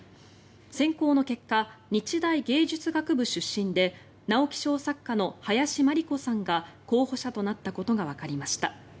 選考の結果、日大芸術学部出身で直木賞作家の林真理子さんが候補者となったことがわかりました。